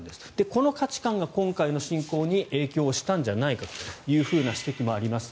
この価値観が今回の侵攻に影響したんじゃないかという指摘もあります。